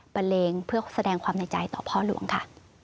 เลงเพื่อแสดงความในใจต่อพ่อหลวงค่ะ